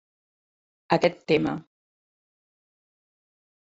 Aquest tema.